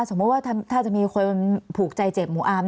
สมมุติว่าถ้าจะมีคนผูกใจเจ็บหมูอาม